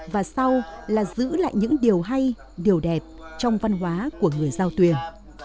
và sau là giữ lại những điều hay điều đẹp trong văn hóa của người giao quyền